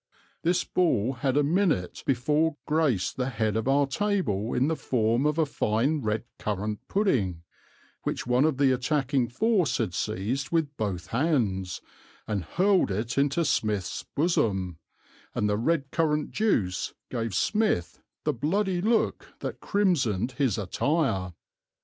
This ball had a minute before graced the head of our table in the form of a fine red currant pudding, which one of the attacking force had seized with both hands, and hurled it into Smith's bosom, and the red currant juice gave Smith the bloody look that crimsoned his attire.